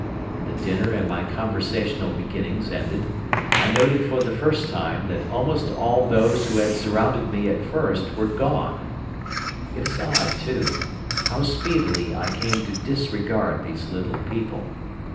The dinner and my conversational beginnings ended, I noted for the first time that almost all those who had surrounded me at first were gone. It is odd, too, how speedily I came to disregard these little people.